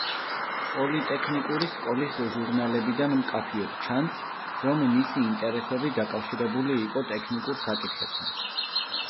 პოლიტექნიკური სკოლის ჟურნალებიდან მკაფიოდ ჩანს, რომ მისი ინტერესები დაკავშირებული იყო ტექნიკურ საკითხებთან.